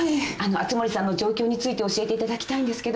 熱護さんの状況について教えていただきたいんですけど。